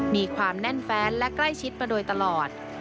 มีความแน่นแฟนและใกล้ชิดมาโดยตลอด